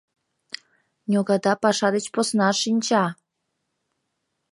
— Ньогада паша деч посна шинча!